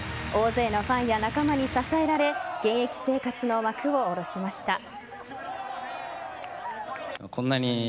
大勢のファンや仲間に支えられ現役生活の幕を下ろしました。